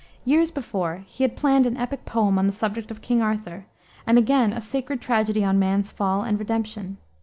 Years before he had planned an epic poem on the subject of King Arthur, and again a sacred tragedy on man's fall and redemption.